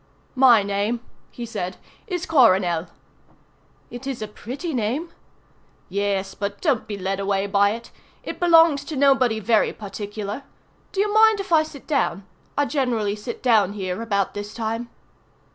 "My name," he said, "is Coronel." "It is a pretty name." "Yes, but don't be led away by it. It belongs to nobody very particular. Do you mind if I sit down? I generally sit down here about this time."